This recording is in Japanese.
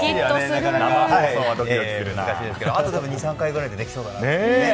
でもあと２３回ぐらいでできそうだなと。